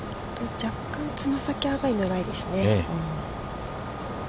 ◆若干つま先上がりのライですね。